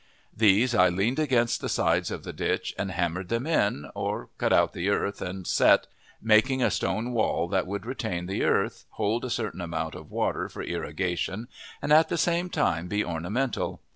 These I leaned against the sides of the ditch and hammered them in, or cut out the earth and set, making a stone wall that would retain the earth, hold a certain amount of water for irrigation and at the same time be ornamental.